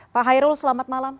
pak hairul selamat malam